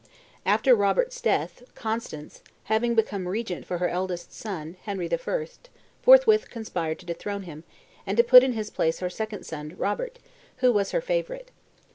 After Robert's death, Constance, having become regent for her eldest son, Henry I., forthwith conspired to dethrone him, and to put in his place her second son, Robert, who was her favorite.